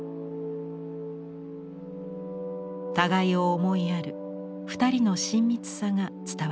互いを思いやる２人の親密さが伝わってきます。